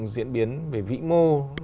diễn biến về vĩ mô